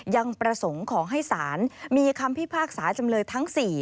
ยังประสงค์ขอให้ศาลมีคำพิพากษาจำเลยทั้ง๔